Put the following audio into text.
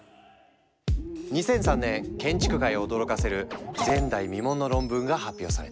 ２００３年建築界を驚かせる前代未聞の論文が発表された。